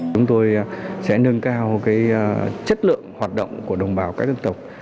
chúng tôi sẽ nâng cao chất lượng hoạt động của đồng bào các dân tộc